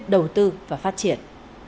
đầu tư và phát triển